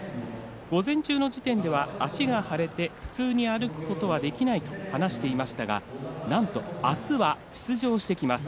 午前中の時点では足が腫れて普通に歩くことはできないと話していましたがなんと明日は、出場してきます。